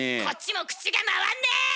こっちも口が回んねえ！